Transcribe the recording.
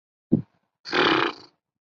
藤泽町是位于岩手县南端的一町。